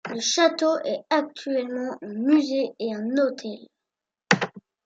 Le château est actuellement un musée et un hôtel.